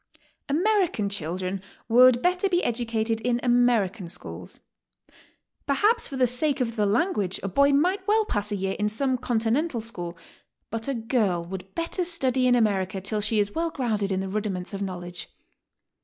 American children would better be educated in American schools. Perhaps for the sake of the language a boy might well pass a year in some Continental school, but a girl would better study in America till she is well grounded in the rudi ments of knowledge.